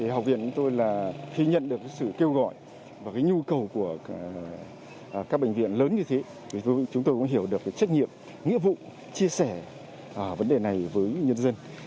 học viện chúng tôi là khi nhận được sự kêu gọi và nhu cầu của các bệnh viện lớn như thế thì chúng tôi cũng hiểu được trách nhiệm nghĩa vụ chia sẻ vấn đề này với nhân dân